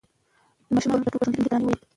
ماشومانو پرون په ښوونځي کې ملي ترانه وویله.